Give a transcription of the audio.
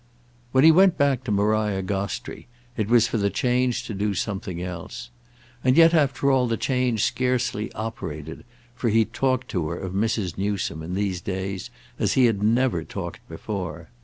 When he went back to Maria Gostrey it was for the change to something else. And yet after all the change scarcely operated for he talked to her of Mrs. Newsome in these days as he had never talked before.